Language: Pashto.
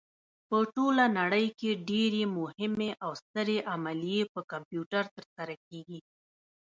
په ټوله نړۍ کې ډېرې مهمې او سترې عملیې په کمپیوټر ترسره کېږي.